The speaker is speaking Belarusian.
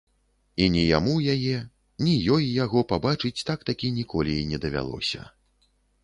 І ні яму яе, ні ёй яго пабачыць так-такі ніколі і не давялося.